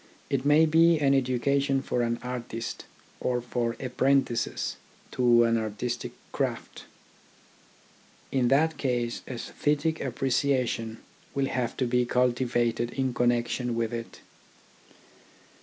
It may be an education for an artist or for apprentices to an artistic craft. In that case aesthetic appre ciation will have to be cultivated in connection with it.